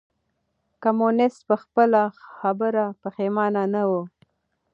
کمونيسټ په خپله خبره پښېمانه نه و.